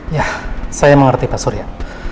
ya saya mengerti pak surya